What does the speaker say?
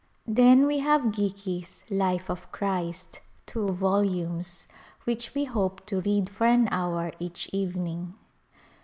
Then we have Geikie's " Life of Christ "— two volumes — which we hope to read for an hour each evening.